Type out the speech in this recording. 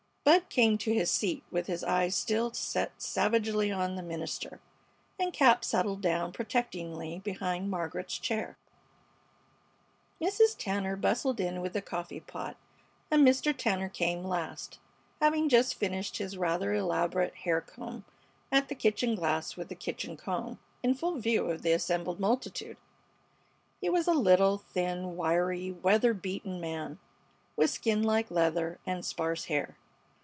Bud came to his seat with his eyes still set savagely on the minister, and Cap settled down protectingly behind Margaret's chair. Mrs. Tanner bustled in with the coffee pot, and Mr. Tanner came last, having just finished his rather elaborate hair comb at the kitchen glass with the kitchen comb, in full view of the assembled multitude. He was a little, thin, wiry, weather beaten man, with skin like leather and sparse hair.